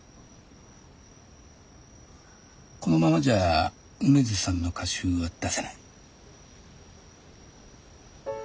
このままじゃ梅津さんの歌集は出せない。